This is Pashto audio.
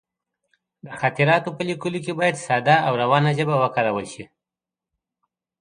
د خاطراتو په لیکلو کې باید ساده او روانه ژبه وکارول شي.